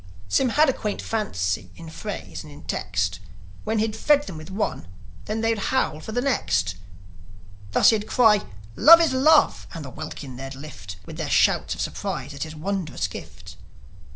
Sym had a quaint fancy in phrase and in text; When he'd fed them with one they would howl for the next. Thus he'd cry, "Love is love 1" and the welkin they'd lift With their shouts of surprise at his wonderful gift.